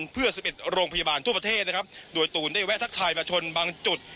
เพื่อ๑๑โรงพยาบาลทั่วประเทศนะครับโดยตูนได้แวะทักทายมาชนบางจุด